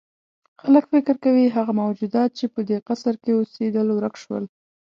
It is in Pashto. خلک فکر کوي هغه موجودات چې په دې قصر کې اوسېدل ورک شول.